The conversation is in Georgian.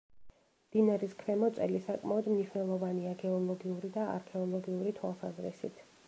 მდინარის ქვემოწელი საკმაოდ მნიშვნელოვანია გეოლოგიური და არქეოლოგიური თვალსაზრისით.